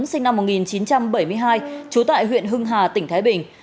sinh năm một nghìn chín trăm bảy mươi hai trú tại huyện hưng hà tỉnh thái bình